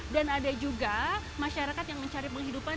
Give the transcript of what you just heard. dan ada juga masyarakat yang mencari penghidupan